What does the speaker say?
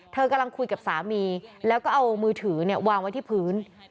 เธอกำลังคุยกับสามีแล้วก็เอามือถือวางไว้ที่พื้น